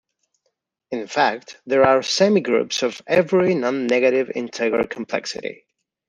In fact, there are semigroups of every non-negative integer complexity.